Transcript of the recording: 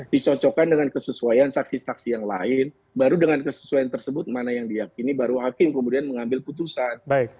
dicocokkan dengan kesesuaian saksi saksi yang lain baru dengan kesesuaian tersebut mana yang diakini baru hakim kemudian mengambil putusan